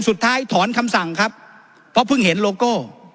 ถอนคำสั่งครับเพราะเพิ่งเห็นโลโก้